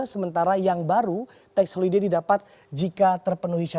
sementara yang baru tax holiday didapat jika terpaksa